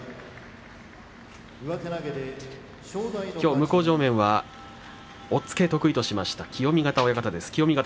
向正面は押っつけを得意としました清見潟親方です。